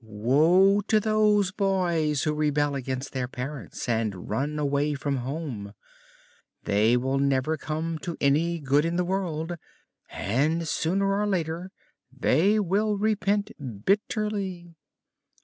"Woe to those boys who rebel against their parents and run away from home. They will never come to any good in the world, and sooner or later they will repent bitterly."